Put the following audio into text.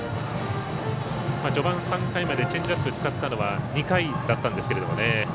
序盤、３回まででチェンジアップを使ったのは２回だったんですけれどもね。